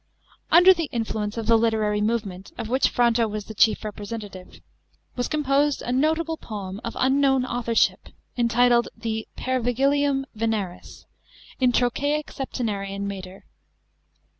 § 5. Under the influence of the literary movement, of which Fronto was the chief representative, was composed a notable poem, of unknown authorship, entitled the I'ervigilium Veneris, in tro chaic septenarian metre.